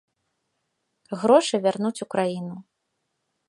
Грошы вярнуць у краіну.